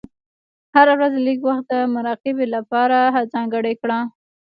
هره ورځ لږ وخت د مراقبې لپاره ځانګړی کړه.